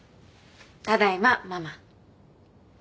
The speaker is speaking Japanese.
ただいまママ。